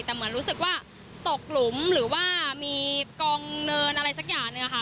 แต่เหมือนรู้สึกว่าตกหลุมหรือว่ามีกองเนินอะไรสักอย่างหนึ่งค่ะ